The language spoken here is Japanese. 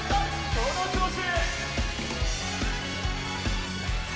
その調子！